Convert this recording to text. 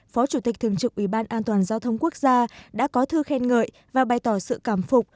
phó chủ tịch thường trực ủy ban an toàn giao thông quốc gia đã có thư khen ngợi và bày tỏ sự cảm phục